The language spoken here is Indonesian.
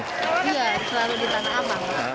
iya selalu di tanah abang